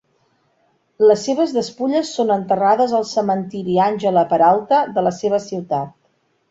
Les seves despulles són enterrades al cementiri Angela Peralta de la seva ciutat.